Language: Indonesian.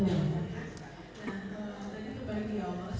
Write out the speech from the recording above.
tidak ada sama sekali ya